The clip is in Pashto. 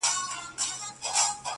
ستا د هستې شهباز به ونڅوم!